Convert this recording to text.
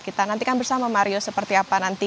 kita nantikan bersama mario seperti apa nanti